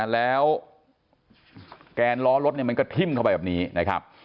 แล้วแกนล้อรถมันก็ทิ้มเข้าไปแบบนี้นะครับ